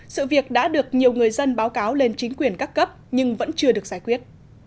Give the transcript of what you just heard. sự việc đã được nhiều người dân báo cáo lên chính quyền các cấp nhưng vẫn chưa được giải quyết